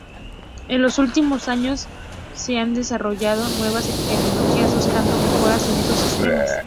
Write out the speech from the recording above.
En los últimos años se han desarrollado nuevas tecnologías buscando mejoras en estos sistemas.